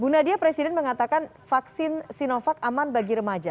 bu nadia presiden mengatakan vaksin sinovac aman bagi remaja